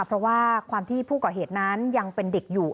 เพราะว่าความที่ผู้ก่อเหตุนั้นยังเป็นเด็กอยู่